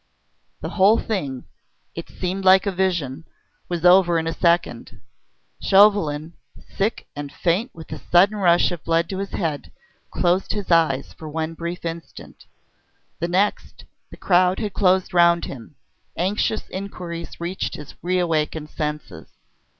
The whole thing it seemed like a vision was over in a second. Chauvelin, sick and faint with the sudden rush of blood to his head, closed his eyes for one brief instant. The next, the crowd had closed round him; anxious inquiries reached his re awakened senses.